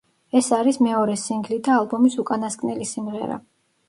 ეს არის მეორე სინგლი და ალბომის უკანასკნელი სიმღერა.